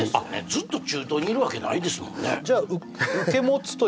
ずっと中東にいるわけないですもんね